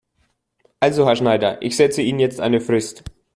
Also Herr Schneider, ich setze Ihnen jetzt eine Frist.